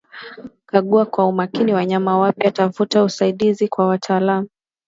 kagua kwa umakini wanyama wapya tafuta usaidizi kwa wataalamu